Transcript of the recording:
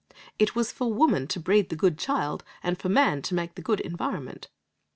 It was for woman to breed the good child, and for man to make the good environment.